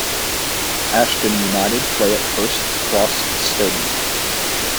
Ashton United play at Hurst Cross stadium.